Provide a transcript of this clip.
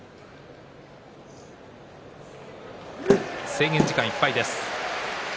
制限時間いっぱいです。